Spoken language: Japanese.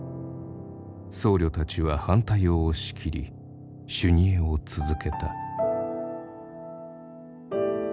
僧侶たちは反対を押し切り修二会を続けた。